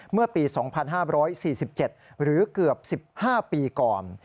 เมื่อปี๒๕๔๗หรือเกือบ๑๕ปีก่อน